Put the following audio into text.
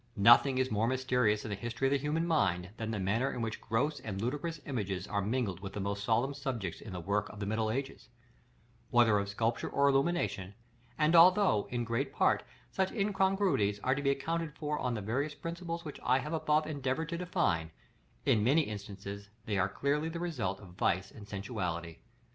Nothing is more mysterious in the history of the human mind, than the manner in which gross and ludicrous images are mingled with the most solemn subjects in the work of the middle ages, whether of sculpture or illumination; and although, in great part, such incongruities are to be accounted for on the various principles which I have above endeavored to define, in many instances they are clearly the result of vice and sensuality.